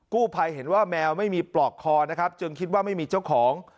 ภัยเห็นว่าแมวไม่มีปลอกคอนะครับจึงคิดว่าไม่มีเจ้าของ